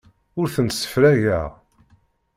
Ur tent-ssefrageɣ.